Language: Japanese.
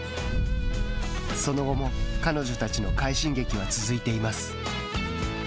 その後も、彼女たちの快進撃は続いています。